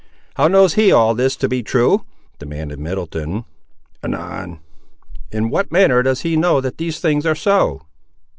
"How knows he all this to be true?" demanded Middleton. "Anan?" "In what manner does he know, that these things are so?"